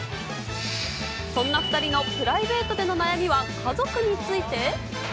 そんな２人のプライベートでの悩みは家族について？